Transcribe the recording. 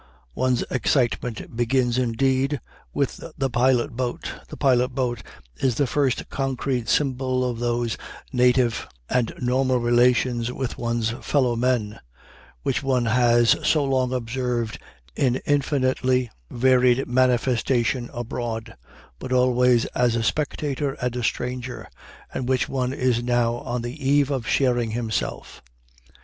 One's excitement begins, indeed, with the pilot boat. The pilot boat is the first concrete symbol of those native and normal relations with one's fellow men, which one has so long observed in infinitely varied manifestation abroad, but always as a spectator and a stranger, and which one is now on the eve of sharing himself.